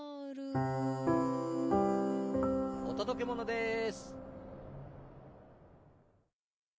おとどけものです。